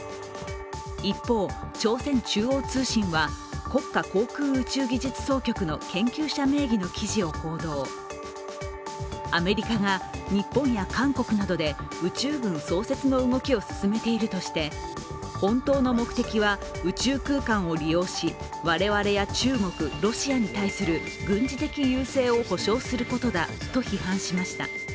一方、朝鮮中央通信は国家航空宇宙技術総局の研究者名義の記事を報道、アメリカが日本や韓国などで宇宙軍創設の動きを進めているとして、本当の目的は宇宙空間を利用し我々や中国、ロシアに対する軍事的優勢を保障することだと批判しました。